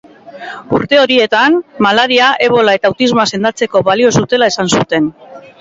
Urte horietan, malaria, ebola eta autismoa sendatzeko balio zutela esan zuten.